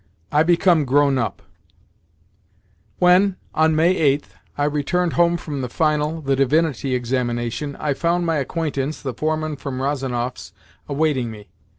I BECOME GROWN UP When, on May 8th, I returned home from the final, the divinity, examination, I found my acquaintance, the foreman from Rozonoff's, awaiting me.